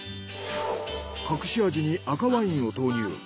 隠し味に赤ワインを投入。